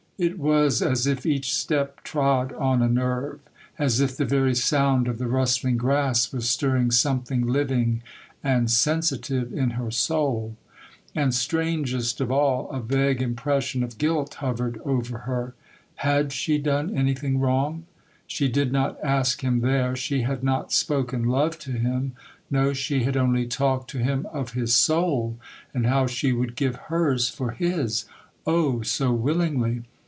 It was as if each step trod on a nerve,—as if the very sound of the rustling grass was stirring something living and sensitive in her soul. And, strangest of all, a vague impression of guilt hovered over her. Had she done anything wrong? She did not ask him there; she had not spoken love to him; no, she had only talked to him of his soul, and how she would give hers for his,—oh, so willingly!